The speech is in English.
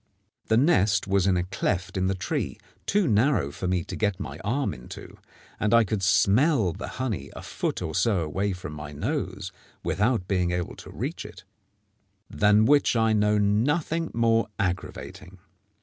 The nest was in a cleft in the tree too narrow for me to get my arm into, and I could smell the honey a foot or so away from my nose without being able to reach it than which I know nothing more aggravating.